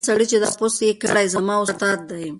هغه سړی چې دا پوسټ یې کړی زما استاد دی.